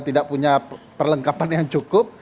tidak punya perlengkapan yang cukup